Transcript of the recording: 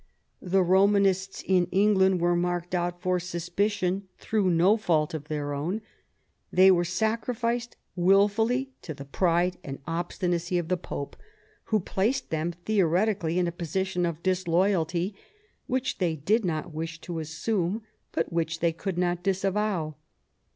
The Romanists in England were marked out for suspicion, through no fault of their own. They were sacrificed wilfully to the pride and obstinacy of the Pope, who placed them theo retically in a position of disloyalty, which they did not wish to assume, but which they could not disavow.